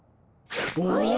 おじゃ！